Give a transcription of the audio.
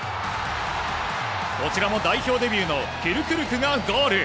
こちらも代表デビューのフュルクルクがゴール。